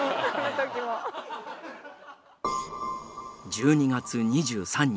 １２月２３日。